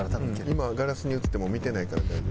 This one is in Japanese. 今はガラスに映っても見てないから大丈夫。